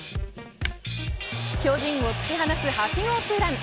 巨人を突き放す８号ツーラン。